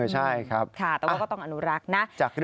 ใช่ครับค่ะแต่ว่าก็ต้องอนุรักษ์นะจากเรื่อง